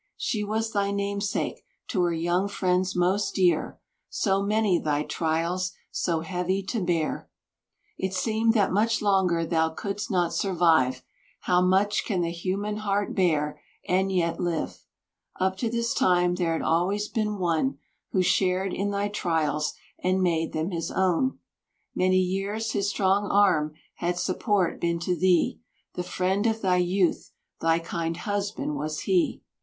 She was thy namesake, to her young friends most dear; So many thy trials, so heavy to bear, It seemed that much longer thou couldst not survive; How much can the human heart bear and yet live. Up to this time there had always been one Who shared in thy trials and made them his own; Many years his strong arm had support been to thee, The friend of thy youth, thy kind husband was he.